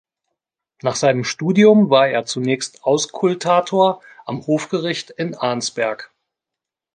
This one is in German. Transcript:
Nach seinem Studium war er zunächst Auskultator am Hofgericht in Arnsberg.